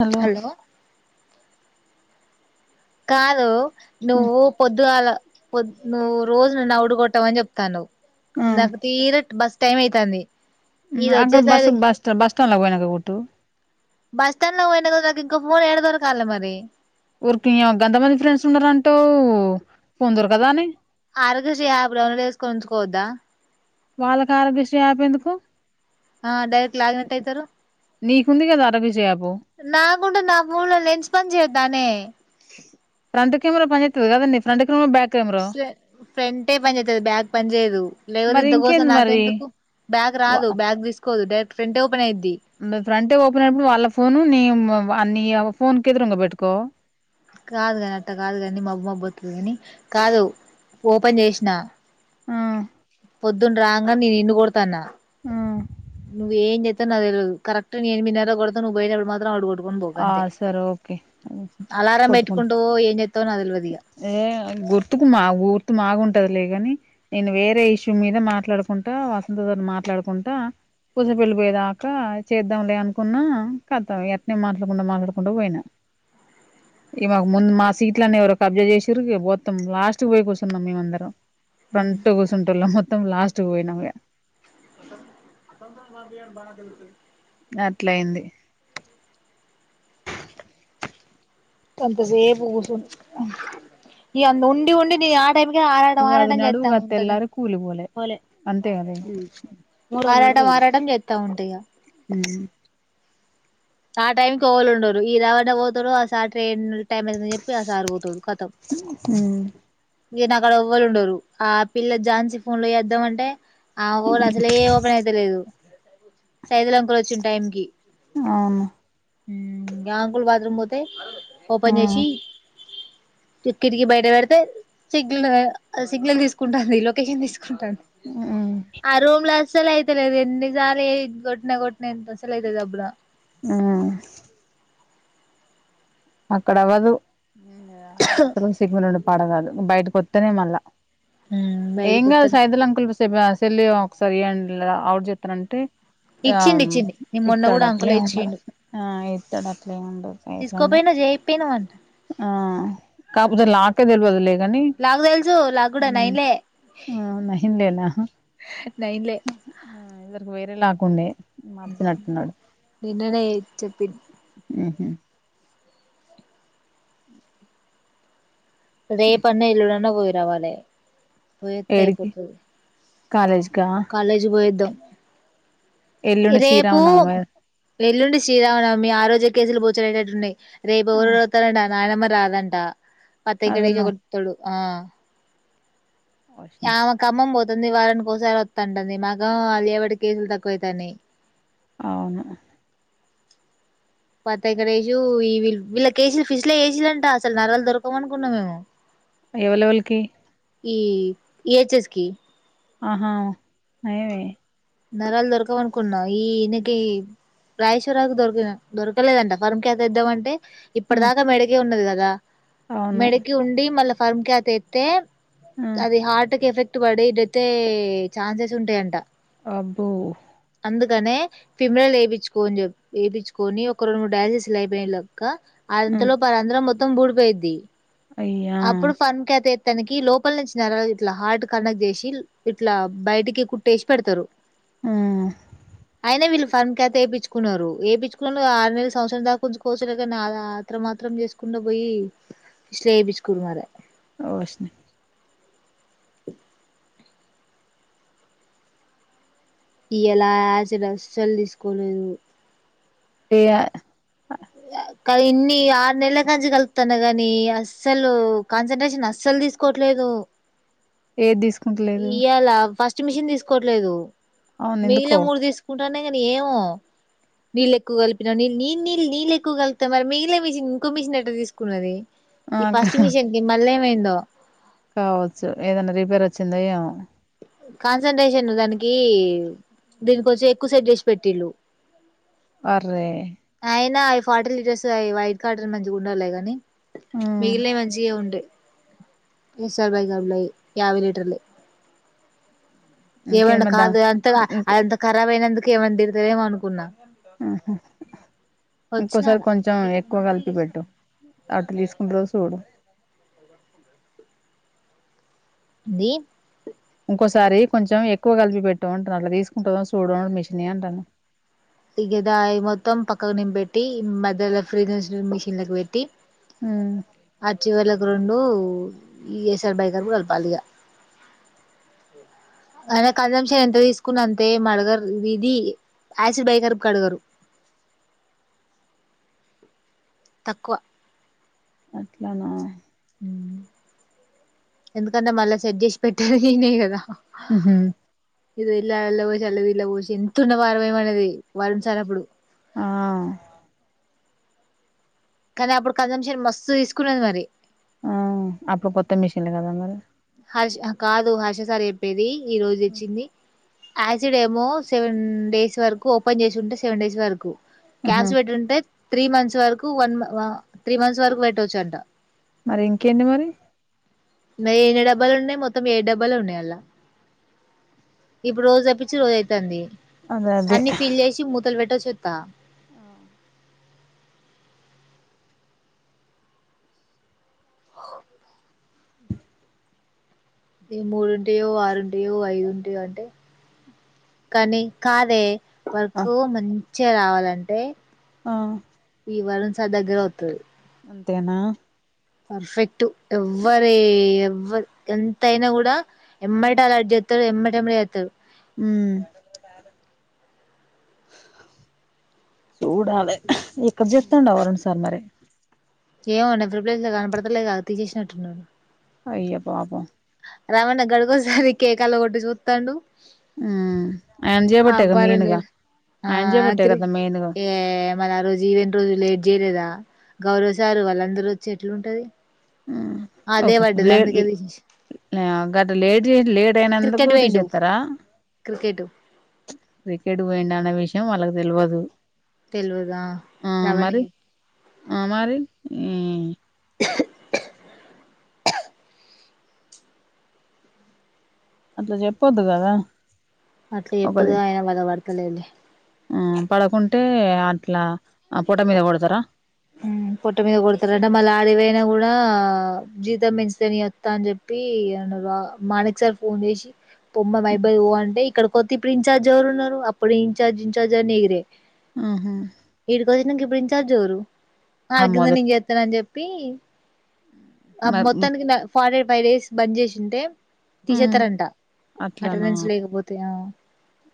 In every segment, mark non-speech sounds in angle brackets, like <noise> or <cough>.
Hello కాదు నువ్వు పొద్దుగాల పోద్ నువ్వు రోజు నన్ను అవుడు కొట్టవని చెప్తాడవ్ నాక్ తీరిట్ బస్ టైం అయితాంది ఇది అక్కడ బస్ వచ్చేసరి బస్ బస్టాండ్ లోకి పోయినా ఓటు బస్ స్టాండ్ లో పోయినా కదా నాకు ఇంకా ఫోన్ ఏడ దొరకాల మరి ఊరికి గంతమంది ఫ్రెండ్స్ ఉన్నారంటావ్ ఫోన్ దొరకదానే ఆరోగ్యశ్రీ యాప్ డౌన్లు చేసుకో ఉంచుకోద్దా వాళ్ళకి ఆరోగ్యశ్రీ యాప్ ఎందుకు ఆ డైరెక్ట్ లాగిన్ నెట్ అయితారు నీకు ఉందిగదా రవిజ యాప్ నాక్ కుంట నాఫోన్ లా ఇన్స్టాల్ చేయొద్దానే ఫ్రంట్ కెమెరా పంజేతది కదనే ఫ్రంట్ కెమెరా బ్యాక్ కెమెరా ఫ్రె ఫ్రెంటె పని చేతది బ్యాగ్ పని చేయదు లేకపోతే మరి ఇంతకోసం ఇంకేంది నాక్ మరి ఎందుకు బ్యాగ్ రాదు బ్యాగ్ తీసుకోదు డైరెక్ట్ ఫ్రెంట్ ఫ్రంటే ఓపెన్ అయినప్పుడు వాళ్ళ ఫోను నీ ఇంగ అని ఫోన్ కేదిరుంగ బెట్కో కాదు కాని అట్ట కాదు కానీ మా అబ్బు మా పోతుంది కాని కాదు ఓపెన్ చేసినా ఆ పొద్దుండ రాంగానే నే నిన్ను కొడుత్ తన ను ఏం జెత్తవో నాకు తెల్వదు కరక్ట్ నేను మీ <unintelligible> ఆ సరే ఓకే అలారం కొట్కుంట పెట్టుకుంటవో ఏం చేత్తవో నాకు తెల్వదు ఇగ ఏ గుర్తుకుమాఉర్ బాగుంటది లేగాని నేను వేరే ఇష్యూ మీద మాట్లాడుకుంటా వస్తూధర్ మాట్లాడుకుంటా పుస పెళ్ళి పోయే దాకా చేద్దాంలే అనుకున్న కథ ఎ నేను మాట్లాడకుంటా మాట్లాడకుంటా పోయినా ఇక మాకు ముందు మా సీట్లన్నీ ఎవరో కబ్జ చేసిండ్రు మొత్తం లాస్ట్ పోయి కూసున్నాం మేమందరం ఫ్రంట్ కూర్చుంటళ్ళ మొత్తం లాస్ట్ పోయినాగా <unintelligible> అట్లయింది ఈ అంద ఉండి ఉండి ది యా టైకి ఆరాడం ఆరాటం చేస్తా ఉంటది అన్ పోలే అంతే కదే ఆరాటం ఆరాటం చేత్త ఉంటిగా ఉమ్ ఆహ్ టైమ్ కి ఎవల్ ఉండరు ఈ రవుండా పోతారో అసార్ ట్రైన్. టైమ్ ఎంతో జెప్పి ఆ సారు ఒతాడు కతం ఉమ్ ఈడ్న అక్కడ ఎవ్వళు ఉండరు ఆ పిల్ల ఝాన్సీ ఫోన్ లో చేద్దాం అంటే ఆ ఫోన్ అస్సలే ఓపెన్ అయితలేదు సైదులంకులు వచ్చిన టైమ్ కి అవును గా అంకుల్ బాత్రూమ్ పోతే ఓపెన్ ఆ జెసి కి కిటికి బయట పెడితే సిగ్నల్ సిగ్నల్ తీస్కుంటాంది లొకేషన్ తీస్కు. ఉమ్ ఆ రూమ్ల సలి అయితలేదు ఎన్నిసార్లు ఏ గొట్నిన గొట్నిన ఎంత అసల అయితది అబ్ర. హ్మ్ అక్కడ అవ్వదు ఆడ అస్సలు సిగ్నల్ ఉండదు పడ గాదు బయట్కొత్తేనే మళ్ళా మ్ ఏం బయటికి గాదు వత్తనే సైదల్ అంకుల్ బి సెబ సెల్ ఇయ్యవ ఒకసారి ఇయ్యట్లెద అవుట్ జెత్తనంటే. ఇచ్చిండు ఆహ్మ్ ఇచ్చిండు నేను మొన్న కూడా ఇత్తడట్లే అంకులే ఎం ఉండవ ఇచ్చిండు హ్మ్ ఆ ఇత్తడట్లే ఎం ఉండవ్ ఎపుడన్న తీసుకోపోయినవ్ చేయిపోయినవ్ అంట ఆహ్ కపోతే లాకే దెల్వదు దండి నాకు తెలుసు నాకు కూడా నైన్లే మంహెడెనహ్ నైన్లే కొ ఉండె నిన్ననే చెప్పి ఉహు రేపన్న ఎళ్ళుండన్నపోయిర్. రవలె పోయి ఒత్తె అయిపోతుదును కాలేజ్ కాలేజు పోయి వద్దాం ఎల్లుండి రేపూ శ్రీరామనవమి ఎళ్ళిండి శ్రీరామనవమి ఆ రోజు కేజిలు బొ చెలు ఎట్ల ఉన్నాయ్ రేపు ఆ ఊరోళ్ళు వత్తరంట నాయనమ్మ రాదంట వత్తె ఇకడికె అదున్న వత్తడు ఆహ్ ఆమే ఖమ్మం పోత్ ంది వాళ్ళని కోసార్ ంటంది మాకొ అల్లుచ్చేబట్టి కేసులు తక్కువైతాన్నాయ్ అవును పతెగరేయ్యు ఈ వీల్ వీళ్ళకేసిల్లు ఫిష్లో ఏసీలంట అసలు నరలు దొరకవణుకున్న మేము ఎవలెవల్కి ఈ ఈహెచ్ఎస్ కి ఆహా నయ్యమే నరాలు దొరకవనుకున్నా ఈయనకి రాయేశ్వరాకు దొరికిన దొరకలేదంట ఫరంక్యాతెద్దామంటే ఆ ఇప్పటి దాకా మెడకే ఉన్నది కద్ దా అవును మెడకి ఉండి మళ్ళ ఫార్మ్ క్యాతేతె ఆ అదిే హార్ట్ కేఫెక్ ట్టుబడిడేత్తయ్యే ఛాన్సెస్ ఉంటాయంట అబ్బో అందుకనే ఫిమిరల్ వేపించుకొన్ చెప్ ఏపిచ్చుకొని ఒక రెండు మూడు డయాలసిస్ లయిపోయ్న్ క ఇంతలోపు ఆ రంధ్రం మొ త్తం బూడిపోయిద్ధి అయ్యా ఆప్పుడు ఫన్ క్యాతే తనకి లోపల నుంచి నర ఇట్లా హార్ట్ కనెక్ట్ చేసి ఇట్లా బయటికి కుట్టేసి పెడుతరు ఆ అయినా వీళ్లు ఫన్ క్యాతేపిచుకున్నారు ఏపిచుకున్న ఆరు నెల్ సంవత్సరం దాకా ఉంచుకొవచ్చులే కనీ ఆ ఆత్రం ఆత్రం చేసుకుంటా పోయి స్ట్లోపిచ్ కు మరే ఓషిని ఇయాల యాసిడ్ అస్సల్ తీసుకోలేదు ఇగ అ కాదు ఇన్ని ఆరు నెలల కాంచి కలుతన్నా గాని అస్సలు కాన్సంట్రేషన్ అస్సలు తీసుకోవట్లేదు ఏది తీసుకుంటలేదు స్ట్ మిషన్ తీసుకోవట్లేదు అవును మిగిలిన ఎందుకో మూడు తీసుకుం న్నా కాని ఏమో నీళ్లు ఎక్కువ కలిపిన నేను నీ నేను నీళ్లు క్కువ కలుపుతే మరి మిగిలిన మిషిన్ ఇంకో మిషిన్ ఎట్ట తీసుకున్నది ఆ ఈ ఫస్ట్ మిషిన్ కి మళ్ల ఏమై పోయిందో కావచ్చు ఏదన్న రిపేర్ వచ్చిందో ఏమో కాన్సంట్రేషన్ దానికి దీని కొంచెం ఎక్కువ సెట్ చేసి పెట్టిళ్ళు అర్రే అయినా అవి ఫార్టీ లీటర్స్ అవి వైట్ కార్టర్ మంచిగా ఉండవు లే గనీ ఆ మిగిలినయి మంచి గే ఉంటాయి ఇ ఎస్ ఆర్ బై గర్బ్ లయి యాబై లీటర్లయి ఇంకేం ఏమన్నా మరి దా కాదు అంత ఇంకో అంత ఖరాబ్ అయినందు కేమన్నా తిడుతవేమో అనుకున్నా అహా వచ్చినా ఇంకోసారి అలా కొంచెం ఎక్కువ కలిపి పెట్టు అది తీసుకుంటదో సూడు దీ ఇంకోసారి కొంచెం ఎక్కువ కలిపి పెట్టు అంటున్న అట్లా తీసుకుంటదో సూడు మిషిన్ అంటాన్న ఇగదాయి మొత్తం పక్కకు నిం పెట్టి మధ్యలో ఫ్రిజ్ మిషిన్ లకి పెట్టి ఉమ్ అచ్చి వాళ్ల కు రెండు ఇ ఎస్ ఆర్ బై గర్బ్ కలపాలి ఇగ అయినా కంజంషన్ ఎంత తీసుకున్న అంతే మి అడగరు ఇది యాసిడ్ బై గర్బ్ అడగరు తక్కువ అట్ల నా మ్ ఎందుకన్నా మళ్ళ సెట్ చేసి పెట్టేది నేనే కదా మ్ హూ ఇది ఇల్లా అళ్ళ పోసి అళ్ళది ఇళ్ళ పోసి ఎంతున్న పారపోయమనేది వరుణ్ సార్ అప్పుడు అ కానీ అప్పుడు కంజంషన్ మస్తు తీసుకున్నది మరి ఆ అప్పుడు కొత్త మిషిన్లు కదా మరి హ కాదు హర్ష సార్ చెప్పేది ఈ రోజు ఇచ్చింది యాసిడ్ ఏమో సెవెన్ డేస్ వరకు ఓపెన్ చేసింటే సెవెన్ డేస్ వరకు ఆహా క్యాబ్స్ పెట్టుంటే త్రీ మంత్స్ వరకు వన్ త్రీ మంత్స్ వరకు పెట్టవచ్చు అంట మరి ఇంకేంది మరి మరి ఎన్ని డబ్బాలు ఉన్నాయి మొత్తం ఏడు డబ్బాలు ఉన్నాయి అల్లా ఇప్పుడు రోజు తప్పించి రోజు అవుతుంది అదే అదే అన్ని ఫిల్ చేసి మూతలు పెట్టొచ్చు చెత ఆ ఆ ఈ మూడుంటాయో ఆరుంటాయో ఐదుంటాయో అంటే కానీ కాదే వర్కు మంచి చ్చే రావాలంటే ఆ ఇ వరుణ్ సార్ దగ్గరే వస్తాది అంతేనా పర్ఫెక్ట్ ఎవ్వరే ఎవరు ఎంతయినా కూడా ఎమ్మాయి అలర్జ ఎ ఎమ్మట ఎమ్మడ చెత్తడు మ్మ్ చూడాలే ఎక్కడ చెప్తాండ వరుణ సార్ మరి ఏమోండి ప్రిపరేషన్ కనపడతలేగా తీసేసినట్టున్నారు అయ్య పాపం రమణ గడికోసారి కేకలా కొట్టి చూత్తండు ఉమ్ ఆయన చేయబట్టేగా ఆబారం మెయిన్గా లేరు ఆ ఆయన చేయబట్టే క కదా మెయిన్గా ఏ మళ ఆ రోజు ఈవెన్ రోజు లేట్ చేయలేదా గౌరవశారు వాళ్ళందరూ వచ్చి ఎట్లుంటుంది మ్మ్ ఓకే లేట్ గట్ లేట్ చేసి లేట్ అయినందుకు క్రికెట్ పోయిండు తీసేస్తారా క్రికెట్ క్రికెట్ పోయిండు అన్న విషయం వాళ్ళకు తెల్వదు తెల్వద రవణి ఆ మరి మ్మ్ అట్లా చెప్పొద్దు కదా అట్లా చెప్పదు ఒకది ఆయన బల పడతలేడిలే ఆ పడకుంటే అట్లా ఆ ప పోట మీద కొడతారా మ్మ్ పొట్ట మీద కొడతారుంటే మళ్ళ ఆడవైనా కూడా జీతం పెంచితేని వస్తా అని చెప్పి అన్నారు మాణిక్ సార్ ఫోన్ చేసి పొమ్మ లైబ్రరీ పో అంటే ఇ ఇక్కడ కొతే ఇప్పుడు ఇంచార్జ్ ఎవరు ఉన్నారు అప్పుడు ఇంచార్జ్ ఇంచార్జ్ అని ఎగిరే ఆహా ఈడీకి వచ్చినంకా ఇప్పుడ ఇన్ ఛార్జ్ ఎవరు వాళ్ళ ఆ కింద మొదట్ నేను చెత్త అని చెప్పి ఆ మ ము మొత్తానికి ఫార ఫైవ్ డేస్ బంద్ చేసింటే తీసేత్తారంట అట్లానా అటెండెన్స్ లేకపోతే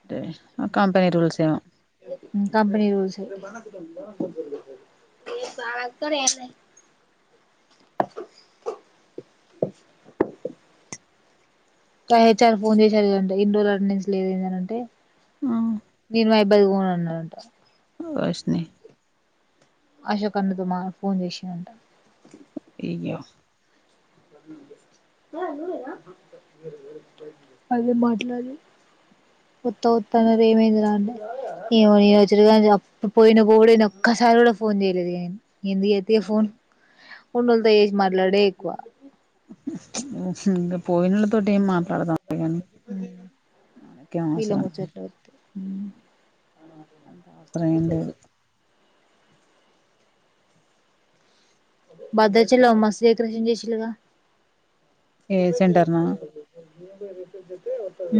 అంటే కంపెనీ రూల్స్ ఏమో కంపెనీ రూల్స్ దు ఏ బాలకుడేన్న <unintelligible> హెచ్ ఆర్ ఫోన్ చేశారు ఏదంటే అటెండెన్స్ నుంచి లేదు ఏదంటే ఆ మీరు మా అబ్బాయి ది పోదు అన్నారట వొశ్ని అశోకన్న తో మా ఫోన్ చేసిండంట ఇయ్యో అదే మాట్లాడి కొత్త వత్త అన్నది ఏమైంది రాంటే ఏమో రచుగా అప్పుడు పోయినప్పు న ఒక్కసారి కూడా ఫోన్ చేయలేదు నను ఎందుకు అతే ఫోన్ ఉండలతో చేసి మాట్లాడే ఎక్కువ హ్మ్ హు పోయిన తోటి ఏం మాట్లాడతాం కానీ మనకేం వీళ్ళ అవసరం కానీ ముచ్చట్లు వద్దు అంత అవసరం ఏం లేదు బద్రాచలం మస్తు డెకరేషన్ చేసిళ్ళు గా ఏ రపయి చేయా సెంటర్ నా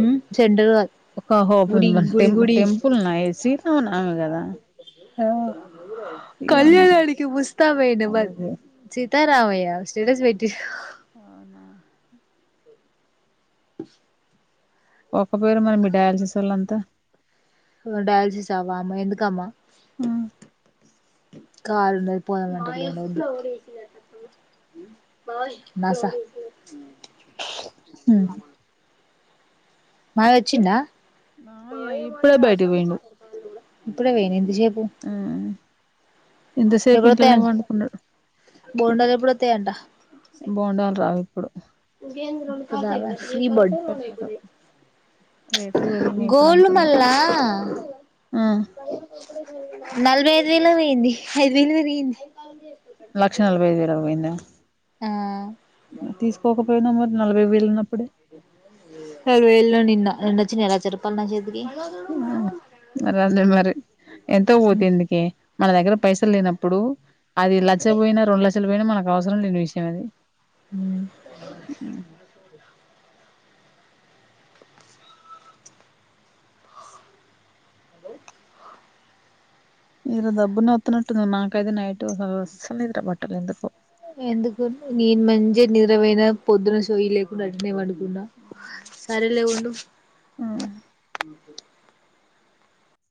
మ్మ్ చెెండరు ఒక హో టెంపుల్న్నా సీల ఉమె కదా ఆ శ్రీరామనవమి కళ్యాణనికి ముస్తాబు అయినా అదదే చి త రావయ్యా స్టేటస్ పెట్టి అవునా ఒక పేరు మన మీ డ్యాన్సర్స్ ఒళ్లంతా డయాలసిస్ ఆ వమ్మ ఎందుకమ్మా ఆ కారు ఉన్నది పోదం అంట నాస ఉ మావయ్య వచ్చిండా మామయ్య ఇప్పుడే బయటికి పోయిండు ఇప్పుడే పోయిన ఇంత సేపు ఆ ఇంతసేపు ఇంట్లనే పడుకున్నాడు ఎప్పుడూవోతాయి అంట ఇప్పుడు నవ్వు దావా కీబోడ్ పెట్టారు రేట్లు పెరిగినాయి ఇప్పుడు గోళ్లు అంతంత మల్ళ ఆ నలభై ఐదు వేలు పోయింది ఐదు పెరిగింది లక్ష నలభై ఐదు వేలక్ పోయిందా ఆ తీసుకోకపోయినా మరి నలభై వేలు ఉన్నప్పుడే ఎళ నిన్న దన్న వచ్చినాయి లచ్చ రూపాయిలు నా చేతికి ఉ మరదే మరి ఎంత పోతేందుకే మన దగ్గర పైసలు లేనప్పుడు అది లక్షపోయినా రెం లక్ష చలు పోయిన మనకు అవసరం లేని విషయం అది ఉ నిద్ర డబ్బున్నే ఓటున్నటుందిగా నాకైతే నైట్ టు అస్సలు పట్టలేన్దుకు ఎందుకు నేను మంచి నిద్రమైన పొద్దున సోయి లేకుండా అట్లే పడుకున్న సర లే ఉండు ఉ